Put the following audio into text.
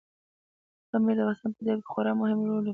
پامیر د افغانستان په طبیعت کې خورا مهم رول لوبوي.